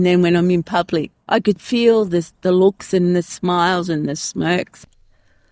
dan ketika saya di publik saya bisa merasakan kelihatan senyum dan senyum